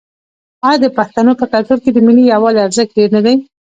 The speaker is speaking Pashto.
آیا د پښتنو په کلتور کې د ملي یووالي ارزښت ډیر نه دی؟